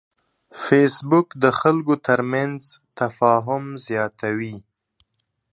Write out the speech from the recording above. فېسبوک د خلکو ترمنځ تفاهم زیاتوي